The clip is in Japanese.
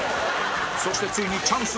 そしてついにチャンス